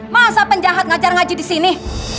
masa penjahat ngajar ngaji disini